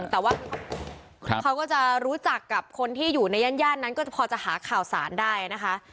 แต่ว่าเขาก็จะรู้จักกับคนที่อยู่ในย่านนั้นก็จะพอจะหาข่าวสารได้นะคะ